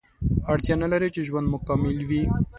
اړتیا نلري چې ژوند مو کامل وي